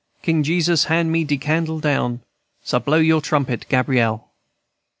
King Jesus hand me de candle down. So blow your trumpet, Gabriel," &c.